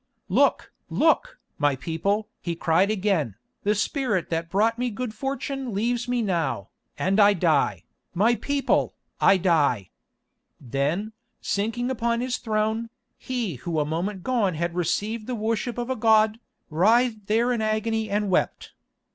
"Look! look! my people!" he cried again, "the spirit that brought me good fortune leaves me now, and I die, my people, I die!" Then, sinking upon his throne, he who a moment gone had received the worship of a god, writhed there in agony and wept.